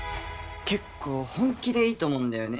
「結構本気でいいと思うんだよね